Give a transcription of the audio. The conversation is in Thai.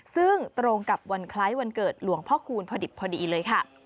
ซึ่งตรงกับวันคล้ายวันเกิดหลวงพ่อคูณพอดิบพอดีเลยค่ะ